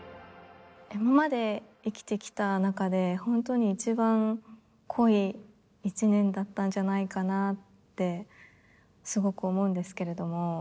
今まで生きてきた中で本当に一番濃い１年だったんじゃないかなってすごく思うんですけれども。